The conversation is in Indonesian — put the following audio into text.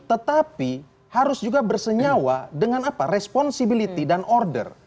tetapi harus juga bersenyawa dengan responsibility dan order